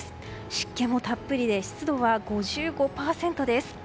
湿気もたっぷりで湿度は５５％です。